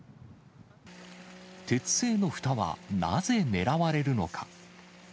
鉄製のふたは、なぜ狙われるのか。